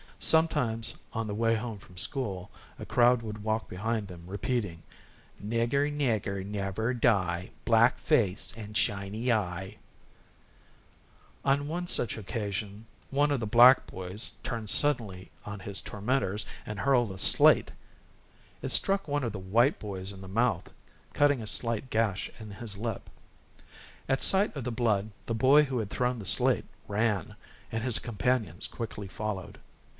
Sometimes on the way home from school a crowd would walk behind them repeating: "Nigger, nigger, never die, Black face and shiny eye." On one such afternoon one of the black boys turned suddenly on his tormentors and hurled a slate; it struck one of the white boys in the mouth, cutting a slight gash in his lip. At sight of the blood the boy who had thrown the slate ran, and his companions quickly followed.